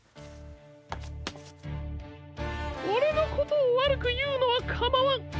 オレのことをわるくいうのはかまわん。